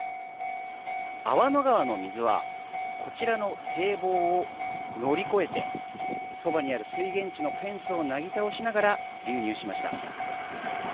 粟野川の水はこちらの堤防を乗り越えてそばにある水源地のフェンスをなぎ倒しながら流入しました。